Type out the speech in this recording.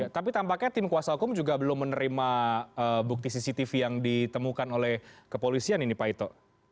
tapi tampaknya tim kuasa hukum juga belum menerima bukti cctv yang ditemukan oleh kepolisian ini pak ito